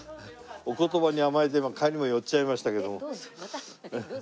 お言葉に甘えて帰りも寄っちゃいましたけども。